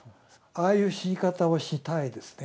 ああいう死に方をしたいですね